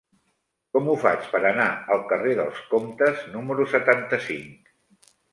Com ho faig per anar al carrer dels Comtes número setanta-cinc?